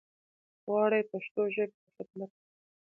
که غواړٸ پښتو ژبې ته خدمت وکړٸ